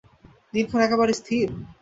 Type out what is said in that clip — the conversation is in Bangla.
দিনক্ষণ একেবারে স্থির?